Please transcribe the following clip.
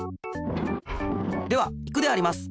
ではいくであります！